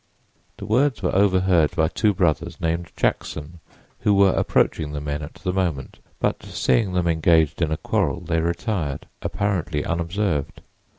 The words were overheard by two brothers named Jackson, who were approaching the men at the moment; but seeing them engaged in a quarrel they retired, apparently unobserved.